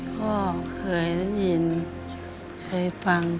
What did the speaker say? ก็เคยยินเคยฟังค่ะ